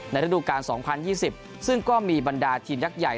ระดูการ๒๐๒๐ซึ่งก็มีบรรดาทีมยักษ์ใหญ่